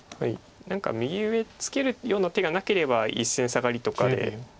何か右上ツケるような手がなければ１線サガリとかで。